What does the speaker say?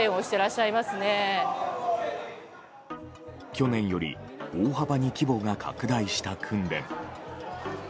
去年より大幅に規模が拡大した訓練。